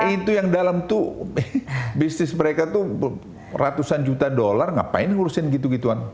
itu yang dalam tuh bisnis mereka tuh ratusan juta dolar ngapain ngurusin gitu gituan